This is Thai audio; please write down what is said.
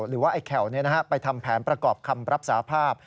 หรือว่าไอ้แข่วไปทำแผนประกอบคำรับสาภาพ